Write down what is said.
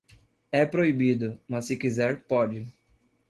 É proibido, mas se quiser, pode.